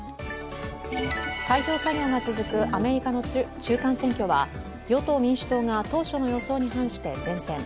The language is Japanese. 開票作業が続くアメリカ中間選挙は与党・民主党が当初の予想に反して善戦。